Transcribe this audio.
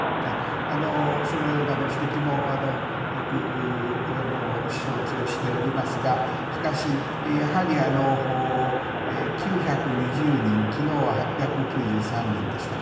そのようなご指摘もよく承知をしておりますが、しかしやはり９２０人、きのうは８９３人でしたか。